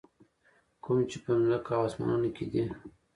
کوم چې په ځکمه او اسمانونو کي دي.